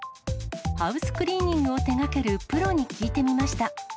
ハウスクリーニングを手がけるプロに聞いてみました。